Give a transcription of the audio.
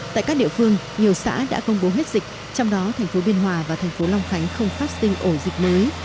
tại các địa phương nhiều xã đã công bố hết dịch trong đó thành phố biên hòa và thành phố long khánh không phát sinh ổ dịch mới